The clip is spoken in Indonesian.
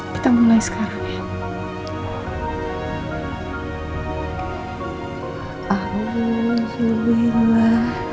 kita mulai sekarang ya